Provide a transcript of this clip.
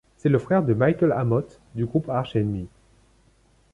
C'est le frère de Michael Amott, du groupe Arch Enemy.